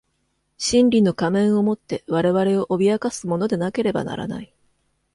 真理の仮面を以て我々を誑かすものでなければならない。